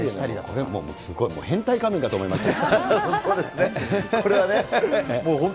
これすごい、変態仮面かと思いましたよ。